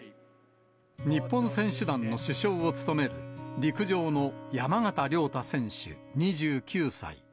日本選手団の主将を務める、陸上の山縣亮太選手２９歳。